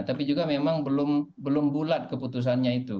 tapi juga memang belum bulat keputusannya itu